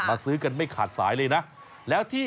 มาซื้อกันไม่ขาดสายเลยนะ